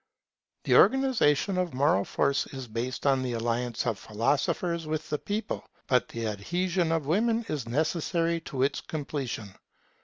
The organization of moral force is based on the alliance of philosophers with the people; but the adhesion of women is necessary to its completion.